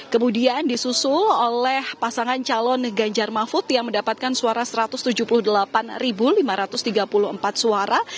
kemudian disusul oleh pasangan calon ganjar mahfud yang mendapatkan suara satu ratus tujuh puluh delapan lima ratus tiga puluh empat suara